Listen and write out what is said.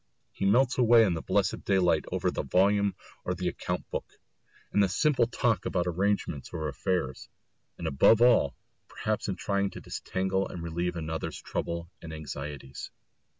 He melts away in the blessed daylight over the volume or the account book, in the simple talk about arrangements or affairs, and above all perhaps in trying to disentangle and relieve another's troubles and anxieties.